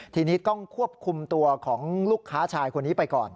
ทีนี้ต้องควบคุมตัวของลูกค้าชายคนนี้ไปก่อน